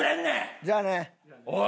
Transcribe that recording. じゃあね。おい！